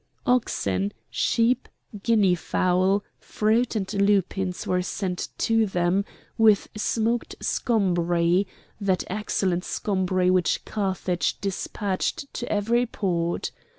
Oxen, sheep, guinea fowl, fruit and lupins were sent to them, with smoked scombri, that excellent scombri which Carthage dispatched to every port.